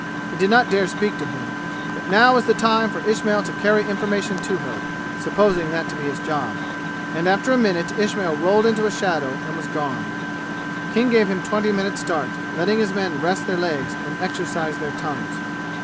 He did not dare speak to him; but now was the time for Ismail to carry information to her, supposing that to be his job. And after a minute Ismail rolled into a shadow and was gone. King gave him twenty minutes start, letting his men rest their legs and exercise their tongues.